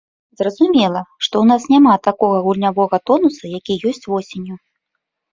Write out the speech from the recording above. Зразумела, што ў нас няма таго гульнявога тонусу, які ёсць восенню.